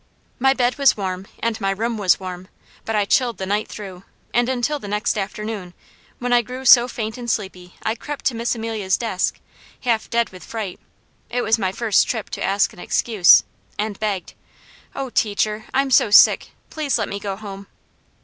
My bed was warm and my room was warm, but I chilled the night through and until the next afternoon, when I grew so faint and sleepy I crept to Miss Amelia's desk, half dead with fright it was my first trip to ask an excuse and begged: "Oh teacher, I'm so sick. Please let me go home."